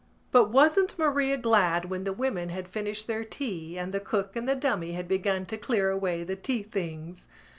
But wasn't Maria glad when the women had finished their tea and the cook and the dummy had begun to clear away the tea things!